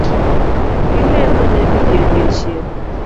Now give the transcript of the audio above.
Ilemo nyadidi odiechieng’?